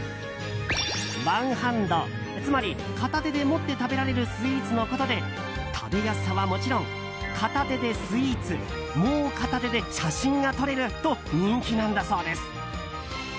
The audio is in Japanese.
ワンハンド、つまり片手で持って食べられるスイーツのことで食べやすさはもちろん片手でスイーツもう片手で写真が撮れると人気なんだそうです。